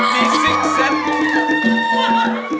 มีสิ้นเซ็นต์